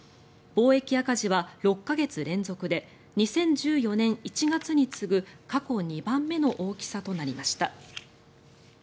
貿易赤字は６か月連続で２０１４年１月に次ぐ過去２番目の大きさとなりました。